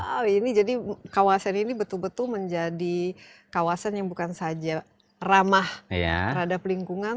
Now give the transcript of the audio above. wow ini jadi kawasan ini betul betul menjadi kawasan yang bukan saja ramah terhadap lingkungan